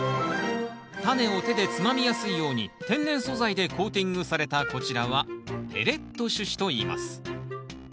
タネを手でつまみやすいように天然素材でコーティングされたこちらはペレット種子といいます。